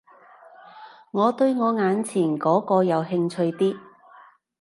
我對我眼前嗰個有興趣啲